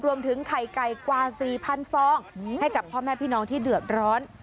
รวมถึงไข่ไก่กว่า๔๐๐ฟองให้กับพ่อแม่พี่น้องที่เดือดร้อน